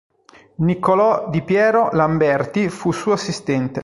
Niccolò di Piero Lamberti fu suo assistente.